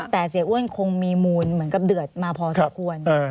แต่เสียอ้วนคงมีมูลเหมือนกับเดือดมาพอสมควร